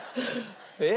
えっ？